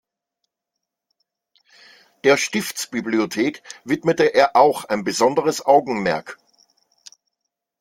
Der Stiftsbibliothek widmete er auch ein besonderes Augenmerk.